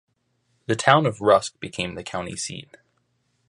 The town of Rusk became the county seat.